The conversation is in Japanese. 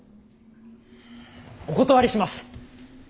お断りします。